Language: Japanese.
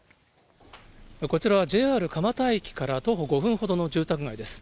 こちらはＪＲ蒲田駅から徒歩５分ほどの住宅街です。